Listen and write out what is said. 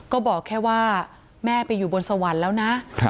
ก็บอกแค่ว่าแม่ไปอยู่บนสวรรค์แล้วนะ